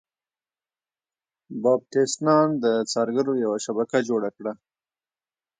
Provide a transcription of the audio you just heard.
باپټیست نان د څارګرو یوه شبکه جوړه کړه.